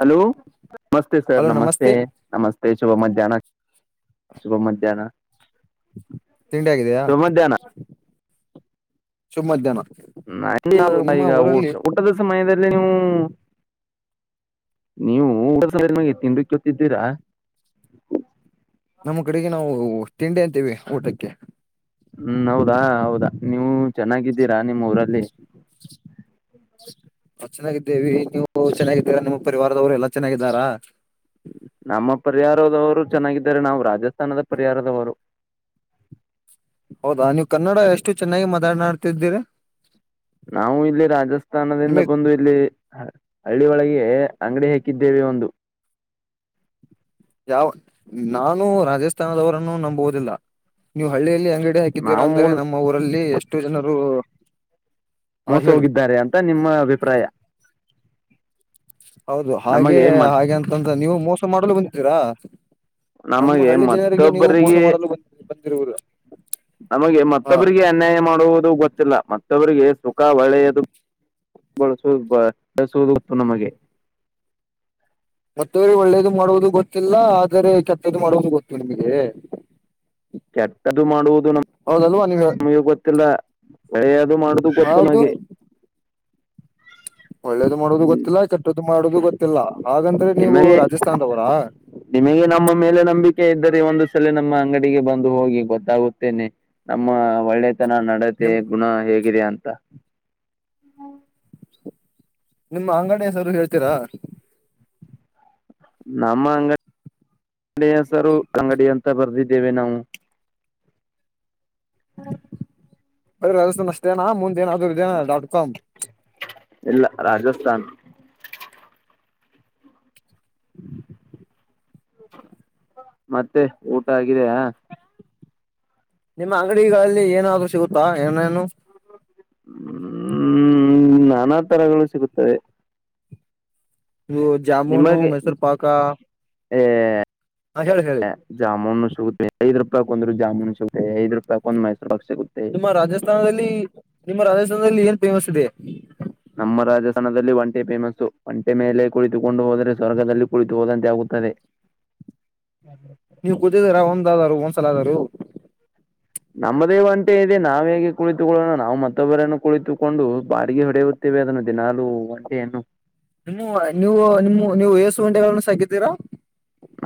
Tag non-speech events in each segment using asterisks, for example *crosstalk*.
Hello ನಮಸ್ತೆ sir ನಮಸ್ತೆ. ನಮಸ್ತೆ ಶುಭ ಮಧ್ಯಾಹ್ನ ಶುಭ ಮಧ್ಯಾಹ್ನ. ತಿಂಡಿ ಆಗಿದೆಯಾ ಶುಭ ಮಧ್ಯಾಹ್ನ ಶುಭ್ ಮಧ್ಯಾಹ್ನ ನ ಇದು *unintelligible* ನಿಮ್ಮ ಈಗ ಊ ಊರಲ್ಲಿ ಊಟದ ಸಮಯದಲ್ಲಿ ನೀವು ನೀವು ಊಟದ ಸಮಯದಲ್ಲಿ ತಿಂಡಿ ಕೇತಿದ್ದೀರಾ. ನಮ್ಮ್ ಕಡೆಗೆ ನಾವು ತಿಂಡಿ ಅಂತೀವಿ ಊಟಕ್ಕೆ. ಹ್ಮ್ ಹೌದಾ ಹೌದಾ ನೀವು ಚೆನ್ನಾಗಿದ್ದೀರಾ ನಿಮ್ಮ್ ಊರಲ್ಲಿ. ನಾವ್ ಚೆನ್ನಾಗಿದ್ದೇವಿ ನೀವು ಚೆನ್ನಾಗಿದ್ದೀರಾ ನಿಮ್ಮ ಪರಿವಾರದವ್ರು ಎಲ್ಲಾ ಚೆನ್ನಾಗಿದ್ದಾರಾ. ನಮ್ಮ ಪರಿಹಾರದವರು ಚೆನ್ನಾಗಿದ್ದಾರೆ ನಾವು ರಾಜಸ್ಥಾನದ ಪರಿಹಾರದವರು. ಹೌದಾ ನೀವು ಕನ್ನಡ ಎಷ್ಟು ಚೆನ್ನಾಗಿ ಮಾತಾಡನಾಡ್ತಿದ್ದೀರ. ನಾವು ಇಲ್ಲಿ ರಾಜಸ್ಥಾನದಿಂದ ನಿಮಗೆ ಬಂದ್ ಇಲ್ಲಿ ಹ ಹಳ್ಳಿ ಒಳಿಗೆ ಅಂಗಡಿ ಹಾಕಿದ್ದೇವೆ ಒಂದು. ಯಾವ್ ನಾನು ರಾಜಸ್ಥಾನದವರನ್ನು ನಂಬುವುದಿಲ್ಲ ನೀವು ಹಳ್ಳಿಯಲ್ಲಿ ಯಾಂಗ್ ಅಂಗಡಿ ಹಾಕಿದ್ದೀರಾ ನಾವು ಅಂದ್ರೆ ಮೂಲ್ ನಮ್ಮ ಊರಲ್ಲಿ ಅಷ್ಟು ಜನರು ಹ ಮೋಸ ಹೇಳಿ ಹೋಗಿದ್ದಾರೆ ಅಂತ ನಿಮ್ಮ ಅಭಿಪ್ರಾಯ. ಹೌದು ಹಾಗೆ ನಮಗೆ ಮತ್ ಹಾಗೆ ಅಂಕೊಂಡ್ರೆ ನೀವು ಮೋಸ ಮಾಡಲೂ ಬಂದಿದ್ದೀರಾ. ನಮ್ಮ ನಮಗೆ ಹಳ್ಳಿ ಜನರಿಗೆ ನೀವು ಮೋಸ ಮತ್ತೊಬ್ಬರಿಗೆ ಮಾಡಲು ಬಂದ್ ಬಂದಿರುವಿರ. ನಮಗೆ ಮತ್ತೊಬ್ಬರಿಗೆ ಅನ್ಯಾಯ ಮಾಡುವುದು ಗೊತ್ತಿಲ್ಲ ಮತ್ತೊಬ್ಬರಿಗೆ ಸುಖ ಒಳ್ಳೆಯದು ಬಳಸುದು ಬ ಬಯಸುವುದು ಗೊತ್ತು ನಮಗೆ ಮತ್ತೆ ಒಳ್ಳೇದು ಮಾಡುವುದು ಗೊತ್ತಿಲ್ಲ ಆದರೆ ಕೆಟ್ಟದು ಮಾಡುವುದು ಗೊತ್ತು ನಿಮಗೆ. ಕೆಟ್ಟದು ಮಾಡುವುದು ನಮ್ ಹೌದಲ್ವಾ ನೀವ್ ನಮಗೆ ಗೊತ್ತಿಲ್ಲ ಒಳ್ಳೆಯದು ಮಾಡುವುದು ಗೊತ್ತು ಹೌದು ನಮಗೆ. ಒಳ್ಳೇದು ಮಾಡೋದು ಗೊತ್ತಿಲ್ಲ ಕೆಟ್ಟದು ಮಾಡೋದು ಗೊತ್ತಿಲ್ಲ ಹಾಗಂದ್ರೆ ನೀವು ನಿಮಗೆ ರಾಜಸ್ಥಾನದವರ. ನಿಮಗೆ ನಮ್ಮ ಮೇಲೆ ನಂಬಿಕೆ ಇದ್ದರೆ ಒಂದು ಸಲಿ ನಮ್ಮ ಅಂಗಡಿಗೆ ಬಂದು ಹೋಗಿ ಗೊತ್ತಾಗುತ್ತೇನೆ. ನಮ್ಮ ಒಳ್ಳೆತನ ನಡತೆ ನಿಮ್ ಗುಣ ಹೇಗಿದೆ ಅಂತ. ನಿಮ್ಮ ಅಂಗಡಿ ಹೆಸರು ಹೇಳ್ತೀರಾ. ನಮ್ಮ ಅಂಗಡಿ ಹೆಸರು ಅಂಗಡಿ ಅಂತ ಬರ್ದಿದ್ದೇವೆ ನಾವು. ಬರಿ *unintelligible* ಅಷ್ಟೇನಾ ಮುಂದೇನಾದ್ರು ಇದೇನ ಡಾಟ್ ಕಾಮ್. ಇಲ್ಲ ರಾಜಸ್ಥಾನ್. ಮತ್ತೆ ಊಟ ಆಗಿದೆಯಾ. ನಿಮ್ಮ ಅಂಗಡಿಗಳಲ್ಲಿ ಏನಾದ್ರು ಸಿಗುತ್ತಾ ಏನೇನು. ಹ್ಮ್ -ನಾನಾ ತರಗಳು ಸಿಗುತ್ತವೆ. ಇವು ಜಾಮುನು ಮೈಸೂರು ಪಾಕಾ ಹ *unintelligible* ಜಾಮೂನು ಸಿಗುತ್ತೆ ಐದ ರೂಪಾಯಕ್ ಒಂದ್ ಜಾಮೂನು ಸಿಗುತ್ತೆ ಐದ್ ರೂಪಾಯಕ್ ಒಂದ ಮೈಸೂರ ಪಾಕ ಸಿಗುತ್ತೆ ನಿಮ್ಮ ರಾಜಸ್ಥಾನದಲ್ಲಿ ನಿಮ್ಮ ರಾಜಸ್ಥಾನದಲ್ಲಿ ಏನ್ ಫೇಮಸ್ ಇದೆ ನಮ್ಮ ರಾಜಸ್ಥಾನದಲ್ಲಿ ಒಂಟೆ ಫೇಮಸ್ಸು ಒಂಟೆ ಮೇಲೆ ಕುಳಿತುಕೊಂಡು ಹೋದ್ರೆ ಸ್ವರ್ಗದಲ್ಲಿ ಕುಳಿತು ಹೋದಂತೆ ಆಗುತ್ತದೆ ಹ್ಮ ಹ್ಮ ನೀವು ಕೂತಿದ್ದೀರಾ ಒಂದ್ ಆದಾರರು ಒಂದ್ಸಲ ಆದರು ನಮ್ಮದೇ ಒಂಟೆ ಇದೆ ನಾವ ಹೇಗೆ ಕುಳಿತುಕೊಳ್ಳೋಣ ನಾವು ಮತ್ತೊಬ್ಬರನ್ನು ಕುಳಿತುಕೊಂಡು ಬಾಡಿಗೆ ಹೊಡೆಯ ಹೋಂ ದಿನಾಲು ಒಂಟೆೆಯನ್ನು ನೀವು ನೀವು ನಿಮ್ಮ ನೀವು ಎಸು ಒಂಟೆಗಳನ್ನು ಸಾಕಿದ್ದೀರಾ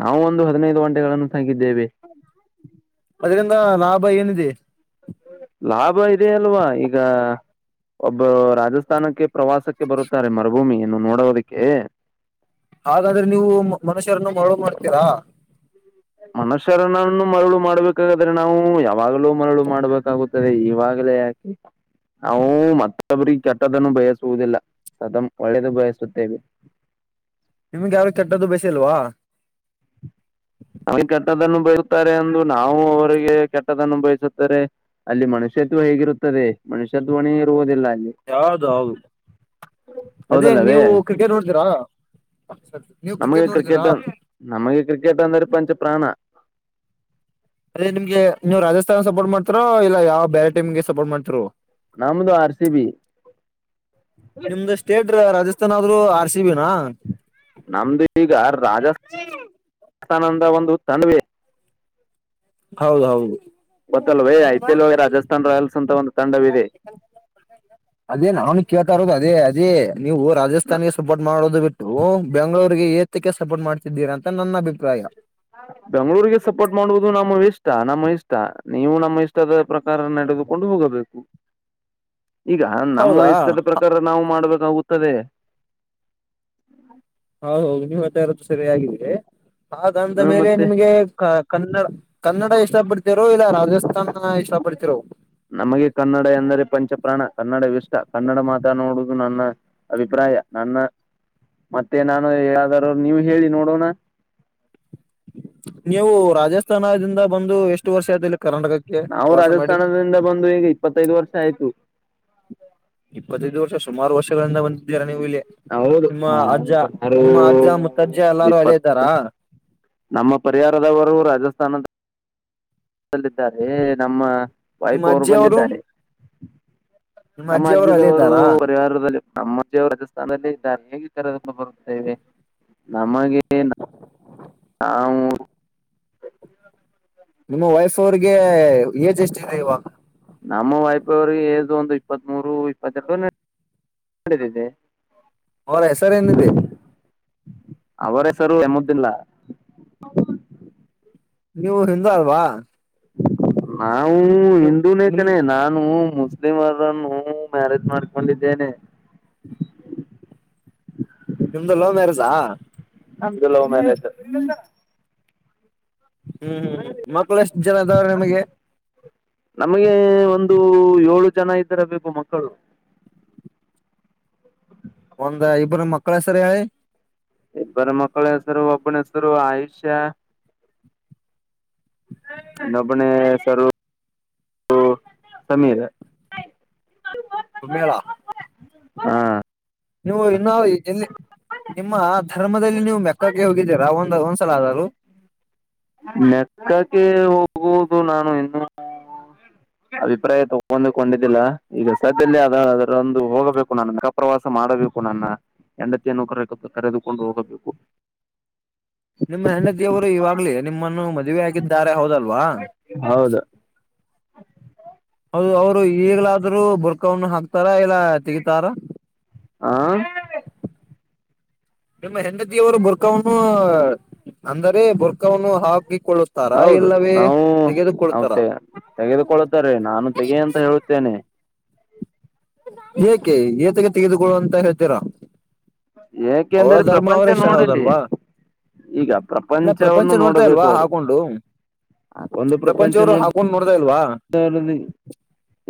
ನಾವು ಒಂದು ಹದಿನೈದು ಒಂಟೆಗಳನ್ನು ಸಾಕಿದ್ದೇವೆ ಅದರಿಂದ ಲಾಭ ಏನಿದೆ ಲಾಭ ಇದೆ ಅಲ್ವಾ ಈಗ ಒಬ್ಬ ರಾಜಸ್ಥಾನಕ್ಕೆ ಪ್ರವಾಸಕ್ಕೆ ಬರುತ್ತಾರೆ ಮರುಭೂಮಿಯ ನ್ನು ನೋಡೋದಕ್ಕೆ ಹಾಗಾದ್ರೆ ನೀವು ಮನುಷ್ಯರನ್ನ ಮರಳ ಮಾಡ್ತೀರಾ ಮನುಷ್ಯರನನ್ನು ಮರಳು ಮಾಡ್ಬೇಕಾದ್ರೆ ನಾವು ಯಾವಾಗಲೂ ಮರಳು ಮಾಡ್ಬೇಕಾಗುತ್ತದೆ ಈವಾಗ್ಲೇ ಹೂ ನಾವು ಮತ್ತೊಬ್ರಿಗೆ ಕೆಟ್ಟದನ್ನು ಬಯಸುವುದಿಲ್ಲ ಸದಾ ಒಳ್ಳೇದು ಬಯಸುತ್ತೇವೆ ನಿಮ್ಗೆ ಯಾವಗೆ ಕೆಟ್ಟದ್ದ ಬಯಸಿಲ್ವಾ ನಮಗೆ ಕೆಟ್ಟದನ್ನು ಬಯುತ್ತಾರೆ ಎಂದು ನಾವು ಅವರಿಗೆ ಕೆಟ್ಟದನ್ನು ಬಯಸುದರೆ ಅಲ್ಲಿ ಮನುಷ್ಯತ್ವ ಹೇಗಿರುತ್ತದೆ ಮನುಷ್ಯತ್ವನೇ ಇರುವುದಿಲ್ಲ ಅಲ್ಲಿ ಹೌದು ಹೌದು ಅದೇ ಹೌದಲ್ಲವೇ ನೀವು ಕ್ರಿಕೆಟ್ ನೋಡತ್ತಿರಾ ನೀವು ಕ್ರಿಕೆಟ್ ನೋಡಿದೀರಾ ನಮಗೆ ಕ್ರಿಕೆಟ್ ಅಂದ್ರ ಪಂಚ ಪ್ರಾಣ ಅದೇ ನಿಮ್ಗೆ ನೀವು ರಾಜಸ್ಥಾನ ಸಪೋರ್ಟ್ ಮಾಡ್ತಾರಾ ಇಲ್ಲ ಯಾವ ಬೇರೆ ಟೀಮ ಗೆ ಸಪೋರ್ಟ್ ಮಾಡ್ತೀರೋ ನಮದು ಆರ್ ಸಿ ಬಿ ನಿಮ್ದು ಸ್ಟೇಟ್ ರಾಜಸ್ಥಾನ್ ಆದ್ರರು ಆರ್ ಸಿಬಿನಾ ನಮ್ದು ಈಗ ರಾಜ ರಾಜಸ್ಥಾನದ ಒಂದು ತಂಡ್ವ ಹೌದ ಹೌದು ಬದಲ್ವೇ ಐ ಪಿ ಎಲ್ ವ ರಾಜಸ್ಥನ್ ರಾಯಲ್ಸ್ ಅಂತ ಒಂದು ತಂಡವಿದೆ *unintelligible* ಅದೇ ನಾನು ಕೇಳ್ತಾ ಇರೋದು ಅದೇ ಅದೇ ನೀವು ರಾಜಸ್ಥಾನಿಗೆ ಸಪೋರ್ಟ್ ಮಾಡೋದು ಬಿಟ್ಟು ಬೆಂಗಳೂರಿಗೆ ಕ್ಕೆ ಸಪೋರ್ಟ್ ಮಾಡ್ತಿದ್ದೀರ ಅಂತ ನನ್ನ ಅಭಿಪ್ರಾಯ ಬೆಂಗಳೂರಿಗೆ ಸಪೋರ್ಟ್ ಮಾಡುವುದು ನಮ್ಮ ಇಷ್ಟ ನಮ್ಮ ಇಷ್ಟ ನೀವು ನಮ್ಮ ಇಷ್ಟದ ಪ್ರಕಾರ ನಡೆದುಕೊಂಡು ಹೋಗಬೇಕು *unintelligible* ಈಗ ನಮ್ಮ ಹೌದಾ ಇಷ್ಟದ ಪ್ರಕಾರ ನಾವು ಮಾಡ್ಬೇಕಾಗುತ್ತದೆ ಹೌ ಹೌದು ನಿವ ಹೇಳತ್ತ ಇರೋದು ಸರಿಯಾಗಿ ಇದೆ ಹಾಗಂದ ಹ ಮೇಲೆ ಮತ್ತೆ ನಿಮ್ಗೆ ಕನ್ನಡ ಕನ್ನಡ ಇಷ್ಟ ಪಡ್ತಿರೋ ಇಲ್ಲ ರಾಜಸ್ಥಾನ ಇಷ್ಟ ಪಡ್ತಿರೋ ನಮಗೆ ಕನ್ನಡ ಎಂದರೆ ಪಂಚಪ್ರಾಣ ಕನ್ನಡ ಇಷ್ಟ ಕನ್ನಡ ಮಾತನಾಡುದು ನನ್ನ ಅಭಿಪ್ರಾಯ ನನ್ನ ಮತ್ತೆ ನಾನು ಯ್ದಾರೂ ನೀವು ಹೇಳಿ ನೋಡೋಣ ನೀವು ರಾಜಸ್ಥಾನದಿಂದ ಬಂದು ಎಷ್ಟು ವರ್ಷ ಆದಲ್ಲಿ ಕರ್ನಾಟಕಕ್ಕೆ ನಾವು ವಾಸ ಮಾಡಿ ರಾಜಸ್ಥಾನದಿಂದ ಬಂದು ಈಗ ಇಪ್ಪತ್ತೈದು ವರ್ಷ ಆಯ್ತು ಇಪ್ಪತ್ತದು ವರ್ಷ ಸುಮಾರು ವರ್ಷಗಳಿಂದ ಬಂದಿದ್ದೀರಾ ನೀವು ಇಲ್ಲಿ ಹೌದು ನಿಮ್ಮ ನಾವು ಅಜ್ಜ ಸುಮಾರು ನಿಮ್ಮ ಅಜ್ಜ ಮುತ್ತಜ್ಜ ಒಂದ್ ಎಲ್ಲಾರು ಇಪ್ಪತ್ ಅಳಿದ್ದಾರಾ ನಮ್ಮ ಪರಿಹಾರದವರು ರಾಜಸ್ಥಾನದಲ್ಲಿದ್ದಾರೆ ನಮ್ಮ ನಿಮ್ಮ ವಾಯಪ ಅವರು ಅಜ್ಜಿಯವರು ಬಂದಿದ್ದಾರೆ ನಿಮ್ಮ ನಮ್ಮ ಅಜ್ಜಿಯವರು ಅಲ್ಲೇ ಅಜದವರು ಇದ್ದಾರಾ ಪರಿವಾರದಲ್ಲಿ ನಮ್ಮವ ರಾಜಸ್ಥಾನಲ್ಲ ಇದ್ದಾರೆ ಹೇಗೆ ಕರೆೊಂಡ ಬರುತ್ತೇವೆ ನಮಗೆ ಹಾ ನಿಮ್ಮ ವೈಫ್ ಅವ್ರಿಗೆ ಏಜ್ ಎಷ್ಟಿದೆದೆ ಇವಾಗ ನಮ್ಮ ವೈಫ ಅವಿಗೆ ಏಜ್ ಒಂದು ಇಪ್ಪತ್ತ್ ಮೂರು ಇಪ್ಪತ್ತರಡು ಕುಳಿದಿದೆ ಅವರ ಹೆಸರೇನಿದೆ ಅವರ ಹೆಸರು ಎಮ್ಮುದಿಲ್ಲ ನೀವು ಹಿಂದ ಅಲ್ವಾ ನಾವು ನೀವು ನಿಮ್ ಹಿಂದೂನೇಕನೆೇ ನಾನು ಮ ಮ್ಯಾರೇಜ್ ಮಾಡ್ಕೊಂಡಿದ್ದೇನೆ ನಿಮ್ದ ಲೋವ್ ಮೆರೆಸಾ ನಂದು ಲವ್ ಮ್ಯಾರೇಜ್ ಹ್ಮ್ ಹ್ಮ್ ಮಕ್ಳ ಎಷ್ಟು ಜನ ಇದದಾವ್ರೆ ನಿಮಗೆ ನಮಗೆ ಒಂದು ಏಳು ಜನ ಇದ್ದರ ಬು ಮಕ್ಕಳು ಒಂದ್ ಇಬ್ಬರ ಮಕ್ಳ ಹೆಸರ್ ಹೇಳಿ ಇಬ್ಬರು ಮಕ್ಕಳ ಹೆಸರು ಒಬ್ಬನ ಹೆಸರು ಆಯುಷ್ಯ ನಮಣ ಸ್ವರ ಕಮ್ಮಿ ಇದೆ ಸಮೇಳ ಹಾ ನೀವು ಇನ್ನಾ ಎಲ್ಲಿ ನಿಮ್ಮ ಧರ್ಮದಲ್ಲಿ ನೀವು ಮೆಕ್ಕಕ್ಕೆ ಹೋಗಿದ್ದೀರಾ ಒಂದು. ಒಂದ್ಸಲ ಆದರು ಮೆಕ್ಕಕ್ಕೆ ಹೋಗುವುದು ನಾನು ಇನ್ನು. ಅಭಿಪ್ರಾಯ ತಗೊಂಡು ಕೊಂಡಿದ್ದಿಲ್ಲ ಈಗ ಸದ್ಯ ಅ ಅದರೊಂದು ಹೋಗಬೇಕು ನಾನು. ಪ್ರವಾಸ ಮಾಡಬೇಕು ನನ್ನ ಹೆಂಡತಿಯನ್ನುಕ ಕರೆದುಕೊಂಡು ಹೋಗಬೇಕು. ನಿಮ್ಮ ಹೆಂಡತಿಯವರು ಇವಾಗ್ಲಿ ನಿಮ್ಮನ್ನು ಮದುವೆ ಆಗಿದ್ದಾರೆ ಹೌದಲ್ವಾ. ಹೌದು ಅದು ಅವ್ರು ಈಗ್ಲಾದ್ರರು ಬುರ್ಕಾವವನ್ನು ಹಾಕ್ತಾರ ಇಲ್ಲ ತೆಗತಾರ. ಹಾ ನಿಮ್ಮ ಹೆಂಡತಿಯವರು ಬುರ್ಕಾವವನ್ನು ಅಂದರೆ ಬುರ್ಕವನ್ನು ಹಾಕಿಕೊಳ್ಳ. ತರಾ ಹೌದು ಇಲ್ಲವೇ ನಾವು ತೆಗೆದು ನಾವು ಕೊಡ್ತಾರಾ. ತೆ ತೆಗೆದುಕೊಳ್ಳುತ್ತಾರೆ ನಾನು ತೆಗೆಯ ಅಂತಾ ಹೇಳುತ್ತೇನೆ. ಏಕೆ ಏತೆಗೆ ತೆಗೆದು ಅಂತಾ ಹೇಳ್ತೀರಾ. ಅವಳ ಏಕೆಂದರೆ ಧರ್ಮ ಪ್ರಪಂಚ ಅವ್ರಷ್ಟ ನೋಡಲಿ ಹೌದಲ್ವಾ. ಈಗ ಇಲ್ಲ ಪ್ರಪಂಚ ಪ್ರಪಂಚವನ್ನು ನೋಡ್ತಾ ನೋಡಬೇಕು ಅಲ್ವಾ ಅವರು ಹಾಕೊಂಡು ಒಂದು ಪ್ರಪಂಚ ಪ್ರಪಂಚವರು ಹಾ ನೋಡ್ ನೋಡ್ದ ಇಲ್ವಾ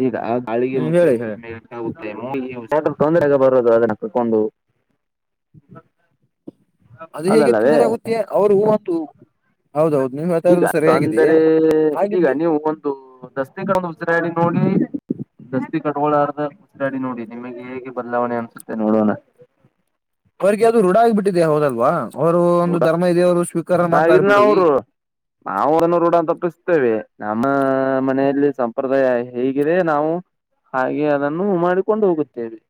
ಈಗ ಆ ಗಾಳಿಗೆ ಹ್ಮ್ ಮುಕ್ ಹೇಳಿ ಹೇಳಿ ಗ ಹ ತೊಂದರೆಗ ಬರುದು ಅದನ್ನ ಕಕೊಂಡು ಅದು ಹೇಗೆ ಅದಲ್ಲವೇ ತೊಂದರೆ ಆಗುತ್ತೆ ಅವರು ಹೊತ್ತು ಈಗ ಅಂದರೆ ಈಗ ಹಾಗಿದ್ದೆ ನೀವು ಒ ಅದು ದಸ್ತೆ ಕಡೆ ಒಂದ್ *unintelligible* ನೋಡಿ ದಸ್ತಿ ಕಟಕೋಳಾರ್ದ ತಿರಗಾಡಿ ನೋಡಿ ನಿಮಗೆ ಹೇಗೆ ಬದಲಾವಣೆ ಅನ್ಸುತ್ತೆ ನೋಡೋಣ ಅವ್ರರಿಗೆ ಅದು ರೂಢ ಆಗಿಬಿಟ್ಟಿದೆ ಹೌದಲ್ವಾ ಅವರು ಒಂದು ರೂಢ ಧರ್ಮ ಇದೇವರು ಸ್ವೀಕಾರ ಮಾಡ್ತಾರ ಬಿಡು ಈ ನಾವುದನ್ನು ರೂಢ ತಪ್ಪಿಸ್ತೇವೆ ನಮ್ಮ ಮನೆಯಲ್ಲಿ ಸಂಪ್ರದಾಯ ಹೇಗಿದೆ ನಾವು ಹಾಗೆ ಅದನ್ನು ಮಾಡಿಕೊಂಡು ಹೋಗುತ್ತೇವೆ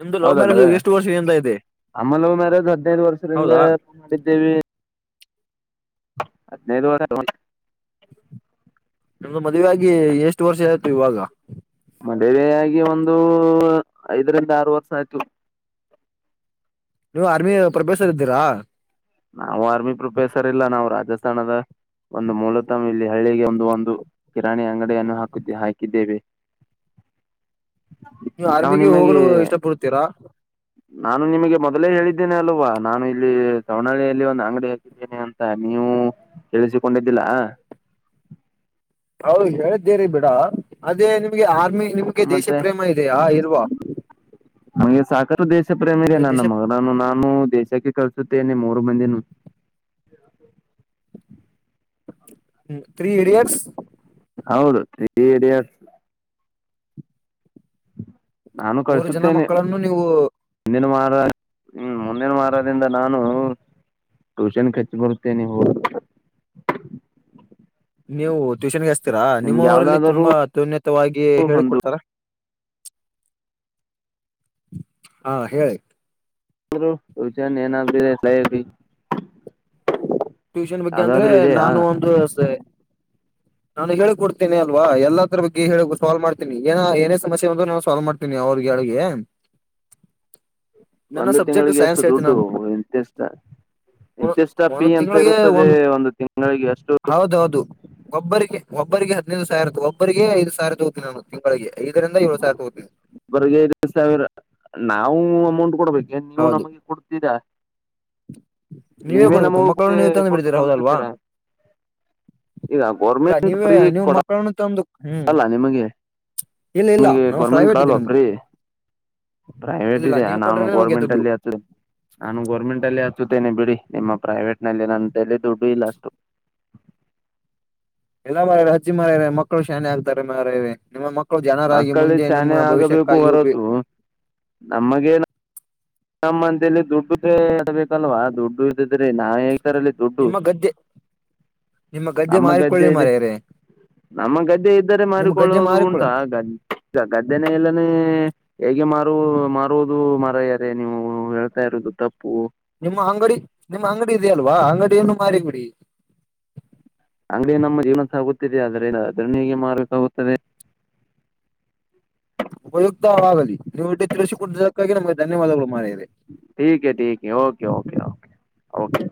ನಿಮ್ದು ಲವ್ ಹೌದಲವೇ ಮ್ಯಾರೇಜ್ ಎಷ್ಟು ವರ್ಷದಿಂದ ಇದೆ ಅಮಲು ಮ್ಯಾರೇಜ್ ಹದ್ನೈದ್ ವರ್ಷದ ಹಿಂದೆ ಹೌದಾ ಮಾಡಿದ್ದೇವಿ ಹದಿನೈದ *unintelligible* ನಮ್ದು ಮದುವೆ ಆಗಿ ಎಷ್ಟ ವರ್ಷ ಆಯ್ತು ಇವಾಗ. ಮದುವೆ ಆಗಿ ಒಂದು ಐದರಿಂದ ಆರ ವರ್ಷ ಆಯ್ತು ನೀವು ಆರ್ಮಿದ ಪ್ರೊಫೆಸರ್ ಇದ್ದೀರಾ. ನಾವು ಆರ್ಮಿ ಪ್ರೊಫೆಸರ್ ಇಲ್ಲ ನಾವು ರಾಜಸ್ಥಾನದ ಒಂದು ಮೂಲತವ ಇಲ್ಲಿ ಹಳ್ಳಿಗೆ ಒಂದು ಒಂದು ಕಿರಾಣಿ ಅಂಗಡಿಯನ್ನು ಹಾಕ ಹಾಕಿದ್ದೇವೆ ನೀವ ನಾವು ಆರ್ಮಿಗೆ ನಿಮಗೆ ಹೋಗಲು ಇಷ್ಟ ಪಡುತೀರಾ ನಾನು ನಿಮಗೆ ಮೊದಲೇ ಹೇಳಿದ್ದೇನೆ ಅಲ್ವಾ ನಾನು ಇಲ್ಲಿ ಸವನಹಳ್ಳಿಯಲ್ಲಿ ಒಂದು ಅಂಗಡಿ ಹಾಕಿ ಕಿನಿ ಅಂತ ನೀವು ಕೇಳಿಸಿಕೊಂಡಿದ್ದಿಲ್ಲಾ ಹೌದು ಹೇಳ್ದೇರಿ ಬಿಡ ಅದೇ ನಿಮ್ಗೆ ಆರ್ಮಿ ನಿಮ್ಗೆ ದೇಶ ಮತ್ತೆ ಪ್ರೇಮ ಇದೆಯಾ ಇಲ್ವಾ ಹಂಗೆ ಸಾಕರ ದೇಶ ಪ್ರೇಮಿರೀ ನಿಮ್ಗೆ ನನ್ನ ದೇಶ ಮಗ ನಾನು ನಾನು ದೇಶಕ್ಕೆ ಕಳಸುತ್ತೇನೆ ಮೂರು ಮಂದಿನ ಹ್ಮ ತ್ರೀ ಇಡಿಯಟ್ಸ್ ಹೌದು ತ್ರೀ ಈಡಿಯಟ್ಸ್ ನಾನು ಮೂರು ಜನ ಕಳ್ಸುತ್ತೇನೆ ಮಕ್ಕಳನ್ನು ನೀವು ಮುಂದಿನ ವಾರ ಹ್ಮ ಮುಂದಿನ ವಾರದಿಂದ ನಾನು ಟ್ಯೂಷನಕ ಹಚ್ಚಿ ಬರುತೇನೆ ಹೊ ನೀವು ಟ್ಯೂಷನ್ ಗೆ ಹಚ್ಚತ್ತಿರಾ ನಿಮ್ಮ ನಿಮ್ಗೆ ಊರಲ್ಲಿ ಯಾವ್ದಾದರೂ ತುಂಬಾ ಅತ್ಯುನ್ನತವಾಗಿ ಹೇಳಿ ಒಂದು ಕೊಡ್ತಾರಾ ಹಾ ಹೇಳಿ *unintelligible* ಟ್ಯೂಷನ್ ಬಗ್ಗೆ ಅಂದ್ರೆ ಯಾವ್ದಾದ್ರು ಇದೆಯಾ ನಾನು ಒಂದು ಸೆ ನಾನು ಹೇಳಿ ಕೊಡುತ್ತೆನೆಲ್ವಾ ಎಲ್ಲಾದರ ಬಗ್ಗೆ ಹೇಳ ಸಾಲ್ವ್ ಮಾಡ್ತೀನಿ ಏ ಏನ ಸಮಸ್ಯೆಂದ್ರ ನಾನ ಸಾಲ್ವ ಮಾಡ್ತನಿ ತಿನಿ ಅವ್ರಿಗಳಿಗೆ ಒಂದು ತಿಂಗಳಿಗೆ ಎಷ್ಟು ದುಡ್ಡು ಇಂತಿಷ್ಟ ಒ- ಇಂತಿಷ್ಟ ಪಿ ಒಂದು ಅಂತ ತಿಂಗಳಿಗೆ ಇರುತ್ತದೆ ಒಂದು ತಿಂಗಳಿಗೆ ಎಷ್ಟು ಹೌದು ಒಬ್ಬರಿಗೆ ಒಬ್ಬರಿಗೆ ಹದಿನೈದು ಸಾವಿರದ ಒಬ್ಬರಿಗೆ ಐದ್ ಸಾವಿರ ತಗೋತೀನಿ ಅಂದ್ರ ತಿಂಗಳಿಗೆ ಐದರಿಂದ ಏಳ ಸಾವಿರ ತೊಗತೀನಿ ಒಬ್ಬರಿಗೆ ಐದ್ ಸಾವಿರ ನಾವು ಅಮೌಂಟ್ ಕೊಡ್ಬೇಕೇನ ನೀವು ಹೌದು ನಮಗೆ ಕೊಡ್ತೀರಾ ನೀವೇ ಕೊಡ್ಬೇಕು ಮಕ್ಕಳನ್ನು ನಮಗೆ ನೀವು ತಂದು ಕೊಟ್ಟು ಬಿಡ್ತೀರಾ ಹೌದಲ್ವಾ ಕಲ್ಸುತ್ತೀರಾ ಈಗ ಇಲ್ಲ ಗೋರ್ಮೆಂಟ್ ನೀವೇ ಫ್ರೀ ನೀವು ಕೊಡ ಮಕ್ಕಳನ್ನು ತಂದು ಹ್ಮ್ ಕೊಡಲ್ಲ ನಿಮಗೆ ಇಲ್ಲ ಇಲ್ಲ ನಿಮಗೆ ನಾವು ಗೋರ್ಮೆಂಟ್ ಪ್ರೈವೇಟ್ ಇದೆ ಕೊಡಲ್ಲವಾ ನಮ್ದು ಪ್ರೀ ಪ್ರೈವೇಟ್ ಇಲ್ಲ ಇದೆಯಾ ನೀವು ನಾಮು ಕೊಟ್ರನೆ ನಮಗೆ ಗೋರ್ಮೆಂಟ್ ದುಡ್ಡು ಅಲ್ಲಿ ಹಚ್ಚ ನಾನು ಗೋರ್ಮೆಂಟ್ ಅಲ್ಲಿ ಹಚ್ಚುತ್ತೇನೆ ಬಿಡಿ ನಿಮ್ಮ ಪ್ರೈವೇಟ್ ನಲ್ಲಿ ನನ್ನ ತಲಿ ದುಡ್ಡು ಇಲ್ಲ ಅಷ್ಟು ಇಲ್ಲ ಮಾರಾಯರೇ ಹಚ್ಚಿ ಮಾರಾಯರೇ ಮಕ್ಕಳು ಶಾಣೆ ಆಗ್ತಾರೆ ಮಾರಾಯರೇ ನಿಮ್ಮ ಮಕ್ಕ ಮಕ್ಕಳು ಶಾಣೆ ಆಗಬೇಕು ಉಪಯ ಹೊರತು ನಮಗೇ ನಮ್ಮಂದಲ್ಲಿ ದುಡ್ಡುದೆ ಲ್ವಾ ದುಡ್ಡು ಇದಿದ್ರೆ ನಾ ಎಲ್ಲತ್ತರಲ್ಲಿ ದುಡ್ಡು ನಿಮ್ಮ ಗದ್ದೆ ನಿಮ್ಮ ಗದ್ದೆ ನಮ್ಮ ಮಾರಿಕೊಳ್ಳಿ ಇದೆ ಮಾರಯರೇ ನಮ್ಮ ಗದ್ದೆ ಇದ್ದರೆ ಮಾರಿಕೊಳ್ಳೋದು ಮಾರಿಕೊಳ್ಳಿ ಉಂಟಾ ಗದ್ದೆ ಈಗ ಗದ್ದನ ಎಲ್ಲಾನೇ ಹೇಗೆ ಮಾರು ಮಾರುವುದು ಮರ ಅ ನೀವು ಹೇಳ್ತಾ ಇರುೋದು ತಪ್ಪು ನಿಮ್ಮ್ ಅಂಗಡಿ ನಿಮ್ಮ್ ಅಂಗಡಿ ಇದೆಯಲ್ವಾ ಅಂಗಡಿಯನ್ನು ಮಾಡ ಕುಡಿ ಅಂಗಡಿ ನಮ್ಮ ಜೀವನ ಸಾಗುತ್ತಿದೆ ಆದದ್ರ ಅದರಣಿಗೆ ಮಾರ್ಬೇಕಾಗುತ್ತದೆ ಉಪಯುಕ್ತವಾಗಲಿ ನೀವು ಇ ತಿಳಿಸಿಕಡಕ್ಕಾಗಿ ನಮಗೆ ಧನ್ಯವಾದಗಳು ಮಾಡವೆ ಟಿಕೆ ಟಿಕೆ ಓಕೆ ಓಕೆ ಓಕೆ